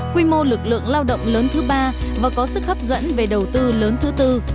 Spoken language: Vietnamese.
quy mô lực lượng lao động lớn thứ ba và có sức hấp dẫn về đầu tư lớn thứ tư